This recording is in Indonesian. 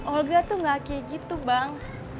olvia tuh gak kayak gitu bang